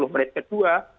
sepuluh menit kedua